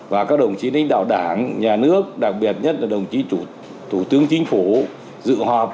và các đồng chí đánh đạo đảng nhà nước đặc biệt nhất là đồng chí thủ tướng chính phủ dự họp